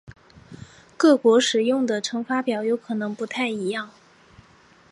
各国使用的乘法表有可能不太一样。